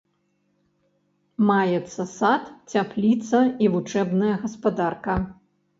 Маецца сад, цяпліца і вучэбная гаспадарка.